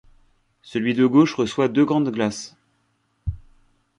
Celui de gauche reçoit deux grandes glaces.